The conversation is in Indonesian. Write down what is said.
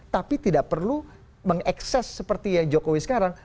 tapi tidak perlu mengekses seperti yang jokowi sekarang